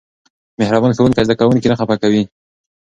مهربان ښوونکی زده کوونکي نه خفه کوي.